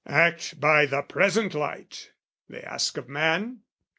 Act by the present light, they ask of man.